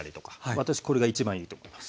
私これが一番いいと思います。